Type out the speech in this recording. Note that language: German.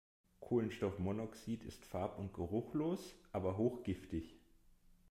Kohlenstoffmonoxid ist farb- und geruchlos, aber hochgiftig.